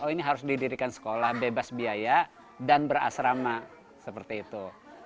oh ini harus didirikan sekolah bebas biaya dan berasrama seperti itu